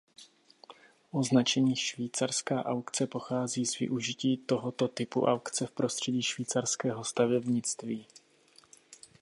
Označení švýcarská aukce pochází z využití tohoto typu aukce v prostředí švýcarského stavebnictví.